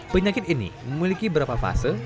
penyakit ini memiliki beberapa fase